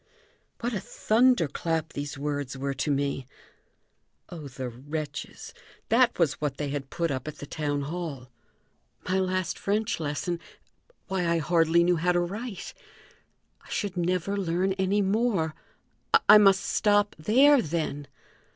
What a thunder clap these words were to me! Oh, the wretches; that was what they had put up at the town hall! My last French lesson! Why, I hardly knew how to write! I should never learn any more! I must stop there, then!